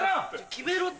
決めろって。